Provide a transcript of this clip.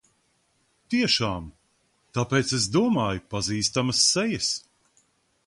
Tiešām! Tāpēc es domāju pazīstamas sejas.